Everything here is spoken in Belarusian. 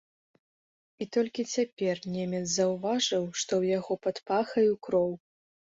І толькі цяпер немец заўважыў, што ў яго пад пахаю кроў.